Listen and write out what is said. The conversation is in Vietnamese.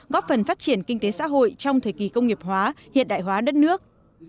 góp phần phát triển kinh tế xã hội trong thời kỳ công nghiệp hóa hiện đại hóa đất nước